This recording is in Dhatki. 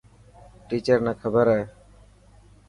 ٽيچر نا خبر هي.